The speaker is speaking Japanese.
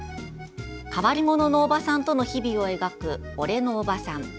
変わり者のおばさんとの日々を描く「おれのおばさん」